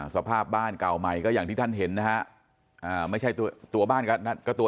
สภาพบ้านเก่าใหม่ก็อย่างที่ท่านเห็นนะฮะอ่าไม่ใช่ตัวตัวบ้านก็ตัว